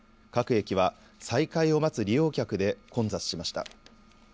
各駅は再開を待つ利用客で混雑しました。